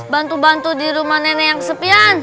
bantu bantu di rumah nenek yang sepian